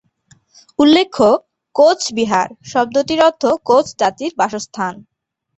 উল্লেখ্য, "কোচবিহার" শব্দটির অর্থ "কোচ জাতির বাসস্থান"।